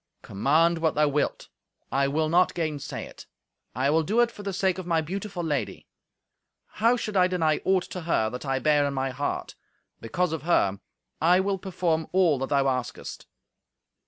"Command what thou wilt, I will not gainsay it. I will do it for the sake of my beautiful lady. How should I deny aught to her that I bear in my heart? Because of her, I will perform all that thou askest."